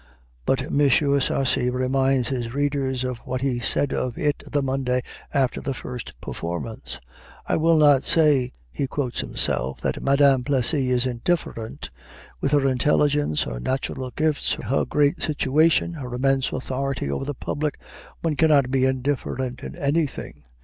But M. Sarcey reminds his readers of what he said of it the Monday after the first performance. "I will not say" he quotes himself "that Madame Plessy is indifferent. With her intelligence, her natural gifts, her great situation, her immense authority over the public, one cannot be indifferent in anything.